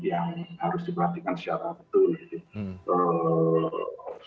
harus diperhatikan secara betul